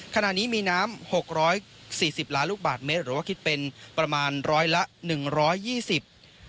ขณะนี้มีน้ำหกร้อยสี่สิบล้านลูกบาทเมตรหรือว่าคิดเป็นประมาณร้อยละหนึ่งร้อยยี่สิบ